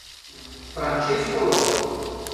Francesco Longo.